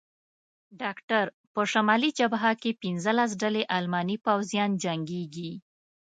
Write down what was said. ډاکټر: په شمالي جبهه کې پنځلس ډلې الماني پوځیان جنګېږي.